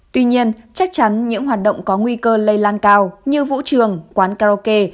tuy nhiên chắc chắn những hoạt động có nguy cơ lây lan cao như vũ trường quán karaoke